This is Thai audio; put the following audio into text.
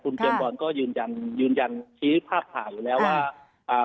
คุณเจมส์บอลก็ยืนยันชี้ภาพถ่ายอยู่แล้วว่า